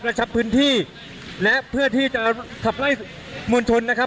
ชับพื้นที่และเพื่อที่จะขับไล่มวลชนนะครับ